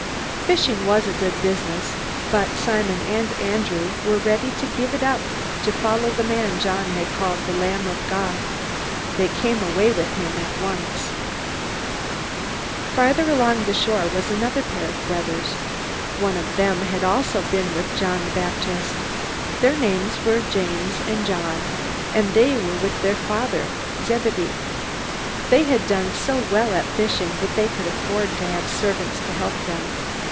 Fishing was good business, but Simon and Andrew were ready to give it up to follow the man John had called "the Lamb of God." They came away with him at once. Farther along the shore was another pair of brothers. One of them had also been with John the Baptist. Their names were James and John, and they were with their father, Zebedee. They had done so well at fishing that they could afford to have servants to help them.